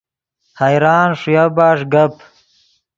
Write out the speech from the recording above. حیران ݰویا بݰ گپ